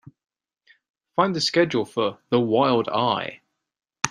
Find the schedule for The Wild Eye.